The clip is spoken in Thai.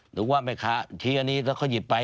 หรือว่าไอ้หมูชี้อันนี้แล้วเขาหยิบไป